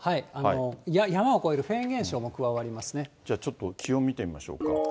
山を越えるフェーン現象も加わりちょっと気温見てみましょうか。